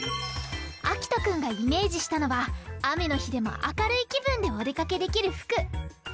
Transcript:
あきとくんがイメージしたのはあめのひでもあかるいきぶんでおでかけできるふく。